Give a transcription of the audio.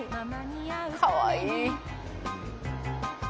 かわいい。